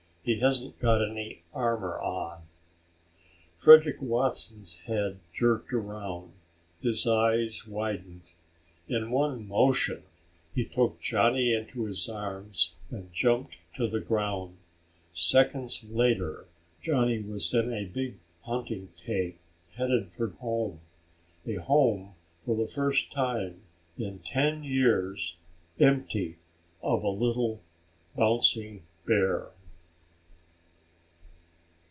"He hasn't got any armor on." Frederick Watson's head jerked around. His eyes widened. In one motion he took Johnny into his arms and jumped to the ground. Seconds later Johnny was in a big hunting tank headed for home, a home for the first time in ten years empty of a little bouncing bear.